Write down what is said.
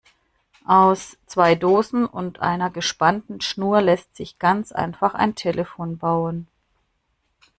Aus zwei Dosen und einer gespannten Schnur lässt sich ganz einfach ein Telefon bauen.